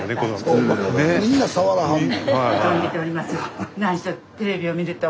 みんな触らはんねん。